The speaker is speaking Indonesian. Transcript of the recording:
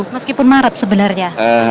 meskipun maret sebenarnya